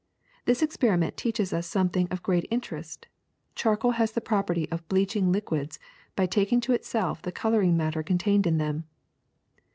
This experiment teaches us something of great inter est : charcoal has the property of bleaching liquids by taking to itself the coloring matter contained in them.